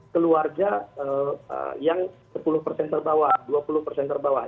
keluarga yang sepuluh terbawah dua puluh terbawah